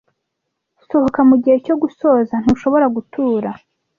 Sohoka mugihe cyo gusoza. Ntushobora gutura.